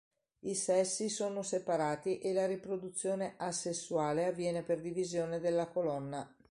I sessi sono separati e la riproduzione asessuale avviene per divisione della colonna.